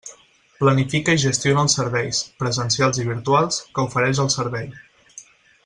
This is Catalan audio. Planifica i gestiona els serveis, presencials i virtuals, que ofereix el Servei.